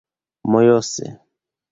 mojose